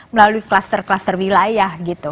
melalui kluster kluster wilayah gitu